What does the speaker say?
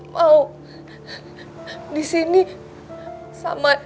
mau disini sama